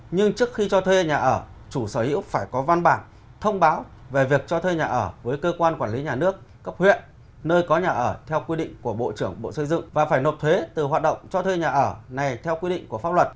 nhưng trước khi cho thuê nhà ở chủ sở hữu phải có văn bản thông báo về việc cho thuê nhà ở với cơ quan quản lý nhà nước cấp huyện nơi có nhà ở theo quy định của bộ trưởng bộ xây dựng và phải nộp thuế từ hoạt động cho thuê nhà ở này theo quy định của pháp luật